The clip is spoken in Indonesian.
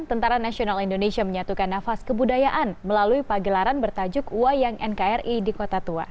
tni menyatukan nafas kebudayaan melalui pagelaran bertajuk wayang nkri di kota tua